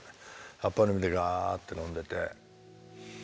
らっぱ飲みでガーッて飲んでて。